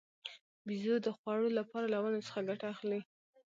بیزو د خوړو لپاره له ونو څخه ګټه اخلي.